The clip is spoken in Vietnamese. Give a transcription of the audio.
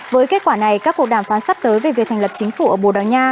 với kết quả này các cuộc đàm phán sắp tới về việc thành lập chính phủ ở bồ đào nha